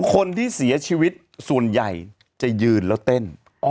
คนที่เสียชีวิตส่วนใหญ่จะยืนแล้วเต้น